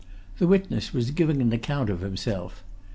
The witness was giving an account of himself.